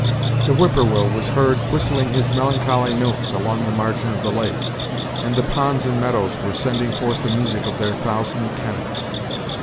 The whip poor will was heard whistling his melancholy notes along the margin of the lake, and the ponds and meadows were sending forth the music of their thousand tenants.